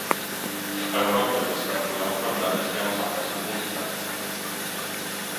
W Europie występują problemy związane z ubóstwem